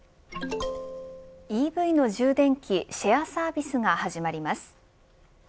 ＥＶの充電器シェアサービスが始まります。